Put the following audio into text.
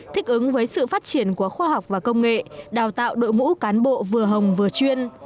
thích ứng với sự phát triển của khoa học và công nghệ đào tạo đội ngũ cán bộ vừa hồng vừa chuyên